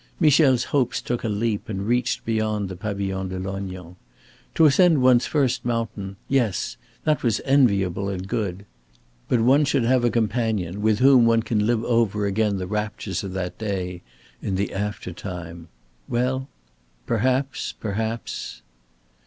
Michel's hopes took a leap and reached beyond the Pavillon de Lognan. To ascend one's first mountain yes, that was enviable and good. But one should have a companion with whom one can live over again the raptures of that day, in the after time. Well perhaps perhaps!